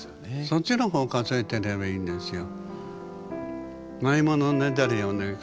そっちの方数えてればいいんですよ。